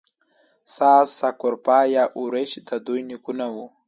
ساس سکروفا یا اوروچ د دوی نیکونه وو.